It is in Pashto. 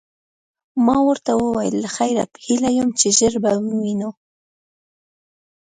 ما ورته وویل: له خیره، په هیله یم چي ژر به ووینو.